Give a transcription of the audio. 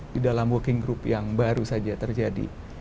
di dalam working group yang baru saja terjadi